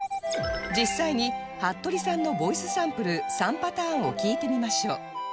実際に服部さんのボイスサンプル３パターンを聴いてみましょう